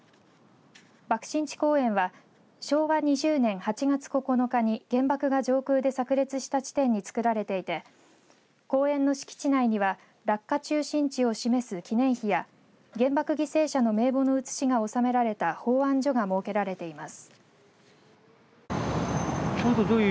爆心地公園は昭和２０年８月９日に原爆が上空でさく裂した地点に造られていて公園の敷地内には落下中心地を示す記念碑や原爆犠牲者の名簿の写しが納められた奉安所が設けられています。